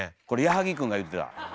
これ矢作君が言ってた。